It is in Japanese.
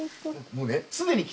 もうね。